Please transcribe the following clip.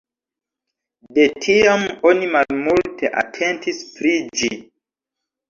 De tiam oni malmulte atentis pri ĝi.